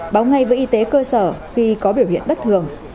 báo ngay với y tế cơ sở khi có biểu hiện bất thường